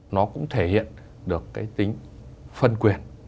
nó cũng thể hiện được cái tính phân quyền